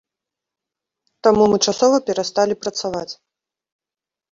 Таму мы часова перасталі працаваць.